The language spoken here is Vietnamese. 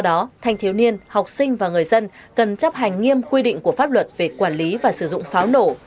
do đó thanh thiếu niên học sinh và người dân cần chấp hành nghiêm quy định của pháp luật về quản lý và sử dụng pháo nổ